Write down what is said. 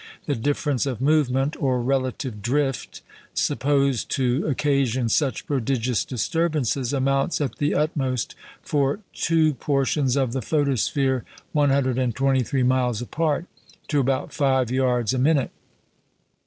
The difference of movement, or relative drift, supposed to occasion such prodigious disturbances, amounts, at the utmost, for two portions of the photosphere 123 miles apart, to about five yards a minute.